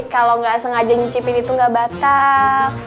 kalau enggak sengaja nyicipin itu enggak batal